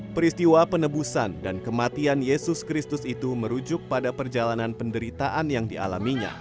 peristiwa penebusan dan kematian yesus kristus itu merujuk pada perjalanan penderitaan yang dialaminya